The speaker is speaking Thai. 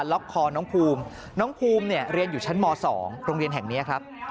ล็อกคอน้องภูมิน้องภูมิเนี่ยเรียนอยู่ชั้นม๒โรงเรียนแห่งนี้ครับ